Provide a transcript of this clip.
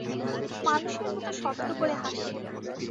মানুষের মতো শব্দ করে হাসে।